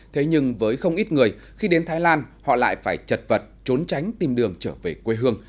thế nhưng với không ít người khi đến thái lan họ lại phải chật vật trốn tránh tìm đường trở về quê hương